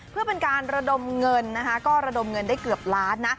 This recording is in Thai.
เพื่อเป็นการระดมเงินนะคะก็ระดมเงินได้เกือบล้านนะ